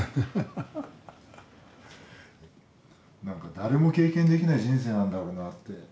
なんか誰も経験できない人生なんだろうなって。